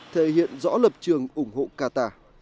thể hiện rõ lập trường ủng hộ qatar